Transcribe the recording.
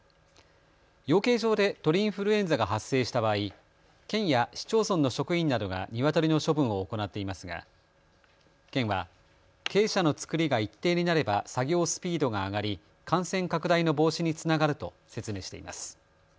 養鶏場で鳥インフルエンザが発生した場合、県や市町村の職員などがニワトリの処分を行っていますが県は鶏舎のつくりが一定になれば作業スピードが上がり感染拡大の防止につながると説明しています。